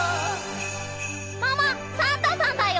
ママサンタさんだよ！